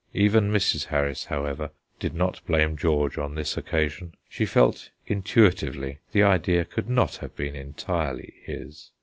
Even Mrs. Harris, however, did not blame George on this occasion; she felt intuitively the idea could not have been entirely his.